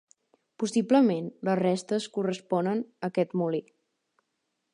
Possiblement les restes corresponen aquest molí.